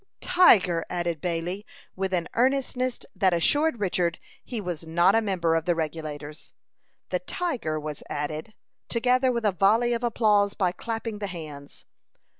"Tiger!" added Bailey, with an earnestness that assured Richard he was not a member of the Regulators. The "tiger" was added, together with a volley of applause by clapping the hands.